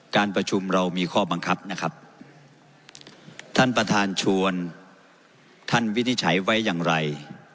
การประชุมเรามีข้อบังคับนะครับท่านประธานชวนท่านวินิจฉัยไว้อย่างไร